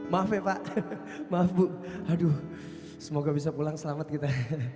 maaf ya pak maaf bu aduh semoga bisa pulang selamat kita